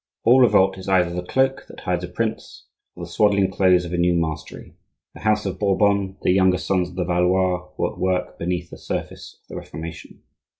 All revolt is either the cloak that hides a prince, or the swaddling clothes of a new mastery. The house of Bourbon, the younger sons of the Valois, were at work beneath the surface of the Reformation.